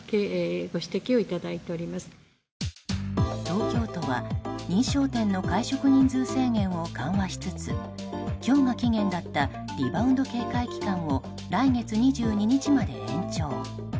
東京都は、認証店の会食人数制限を緩和しつつ今日が期限だったリバウンド警戒期間を来月２２日まで延長。